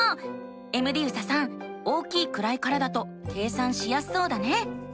エムディユサさん大きい位からだと計算しやすそうだね。